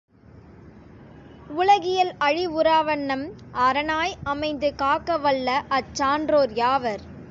உலகியல் அழிவுறாவண்ணம், அரணாய் அமைந்து காக்கவல்ல அச்சான்றோர் யாவர்?